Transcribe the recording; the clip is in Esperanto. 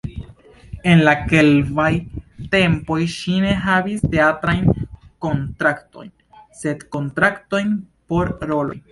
En la sekvaj tempoj ŝi ne havis teatrajn kontraktojn, sed kontraktojn por roloj.